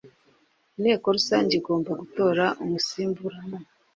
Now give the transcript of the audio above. inteko rusange igomba gutora umusimbura mu